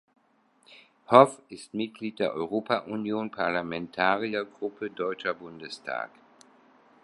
Hoff ist Mitglied der Europa-Union Parlamentariergruppe Deutscher Bundestag.